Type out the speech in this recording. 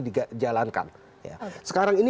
dijalankan sekarang ini